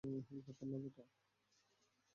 ব্যাপার না বেটা।